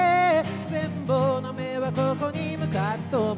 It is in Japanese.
「羨望の眼はここに向かずとも」